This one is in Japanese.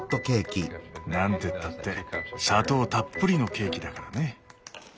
なんてったって砂糖たっぷりのケーキだからね。